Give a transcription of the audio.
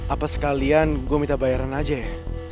apa sekalian gue minta bayaran aja ya